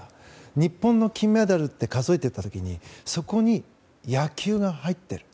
日本の金メダルを数えていった時にそこに野球が入っている。